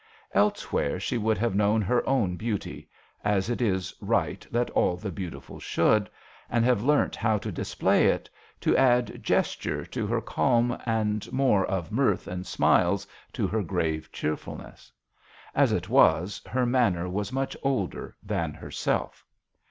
Else where she would have known her own beauty as it is right that all the beautiful should and have learnt how to display it, to add gesture to her calm and more of mirth and smiles to her grave cheerfulness. As it was, her manner was much older than herself.